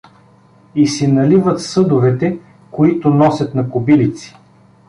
И си наливат съдовете, които носят на кобилици.